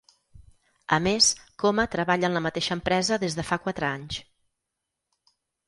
A més coma treballa en la mateixa empresa des de fa quatre anys.